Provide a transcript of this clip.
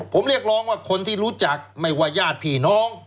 ผมเรียกร้องว่าคนที่รู้จักไม่ว่าญาติพี่น้อง